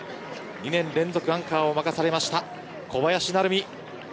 ２年連続アンカーを任された小林成美。